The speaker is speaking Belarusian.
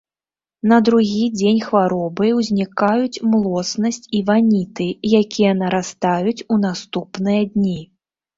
На другі дзень хваробы ўзнікаюць млоснасць і ваніты, якія нарастаюць у наступныя дні.